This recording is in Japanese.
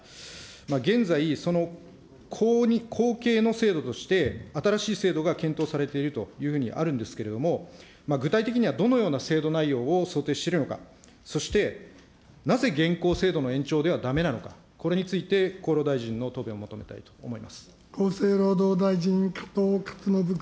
現在、その後継の制度として、新しい制度が検討されているというふうにあるんですけれども、具体的にはどのような制度内容を想定しているのか、そして現行制度の延長ではだめなのか、これについて、厚労大臣の答弁を求めたいと思います。